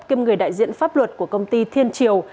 kiêm người đại diện pháp luật của công ty thiên triều